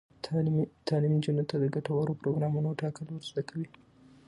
تعلیم نجونو ته د ګټورو پروګرامونو ټاکل ور زده کوي.